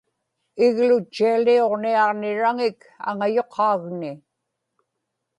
iglutchialiuġniaġniraŋik aŋayuqaaŋni